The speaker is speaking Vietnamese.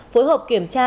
phối hợp kiểm tra